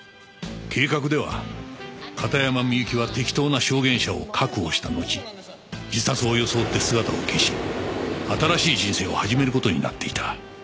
計画では片山みゆきは適当な証言者を確保したのち自殺を装って姿を消し新しい人生を始める事になっていた。